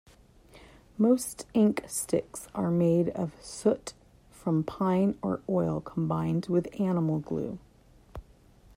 Most inksticks are made of soot from pine or oil combined with animal glue.